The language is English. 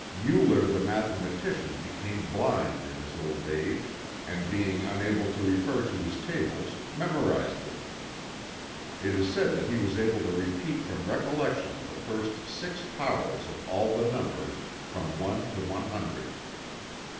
Euler the mathematician became blind in his old age, and being unable to refer to his tables, memorized them. It is said that he was able to repeat from recollection the first six powers of all the numbers from one to one hundred.